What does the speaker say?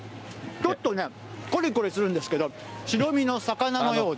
ちょっとね、こりこりするんですけど、白身の魚のようで。